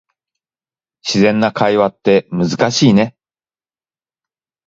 自然な会話って難しいね